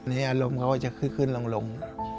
อารมณ์เขาก็จะขึ้นลง